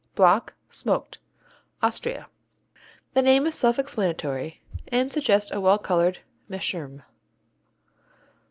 Block, Smoked Austria The name is self explanatory and suggests a well colored meerschaum.